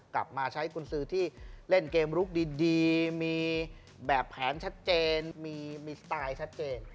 กลับมาใช้กุญสือที่เล่นเกมลุกดีมีแบบแผนชัดเจนมีสไตล์ชัดเจน